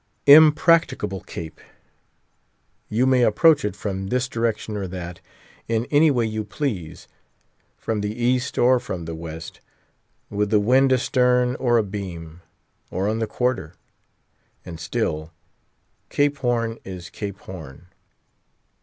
Impracticable Cape! You may approach it from this direction or that—in any way you please—from the East or from the West; with the wind astern, or abeam, or on the quarter; and still Cape Horn is Cape Horn.